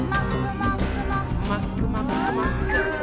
「もっくもっくもっくー」